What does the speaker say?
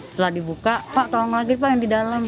setelah dibuka pak tolong lagi pak yang di dalam